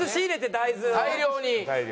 大量に。